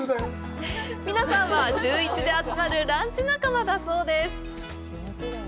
皆さんは週一で集まるランチ仲間だそうです。